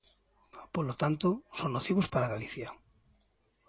Polo tanto, son nocivos para Galicia.